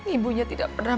ibunya tidak pernah